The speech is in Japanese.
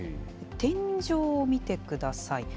天井を見てください。